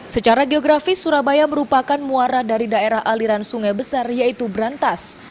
secara geografis surabaya merupakan muara dari daerah aliran sungai besar yaitu berantas